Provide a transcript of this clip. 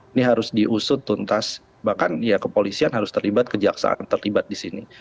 ini harus diusut tuntas bahkan ya kepolisian harus terlibat kejaksaan terlibat di sini